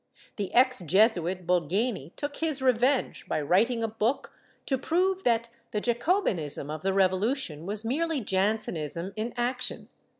The ex Jesuit Bolgeni took his revenge by writing a book to prove that the Jacobinism of the Revolution was merely Jansenism in action.